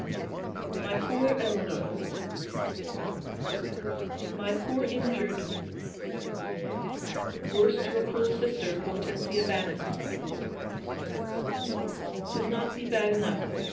My poor Eleanor, — My poor injured worst your cruel sister, Hortensia Bannis could not be bad enough.